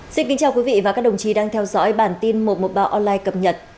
xin kính chào quý vị và các đồng chí đang theo dõi bản tin một trăm một mươi ba online cập nhật